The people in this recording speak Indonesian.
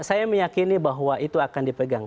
saya meyakini bahwa itu akan dipegang